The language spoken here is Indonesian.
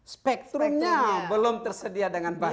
spektrumnya belum tersedia dengan baik